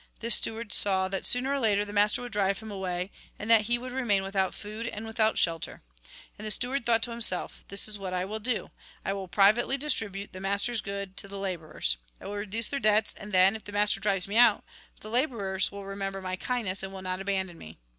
This steward saw that, sooner or later, the master would drive him away, and that he would remain without food, and without shelter. And the steward thought to himself :' This is what I will do : I will privately distribute the master's goods to the labourers ; I will reduce their debts, and then, if the master drives me out, the labourers will remember my kindness, and will not abandon me.'